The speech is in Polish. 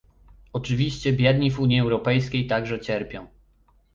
Oczywiście biedni w Unii Europejskiej także cierpią